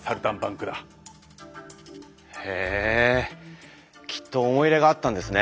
へえきっと思い入れがあったんですね。